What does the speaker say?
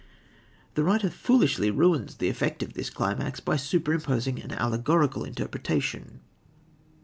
The writer foolishly ruins the effect of this climax by super imposing an allegorical interpretation.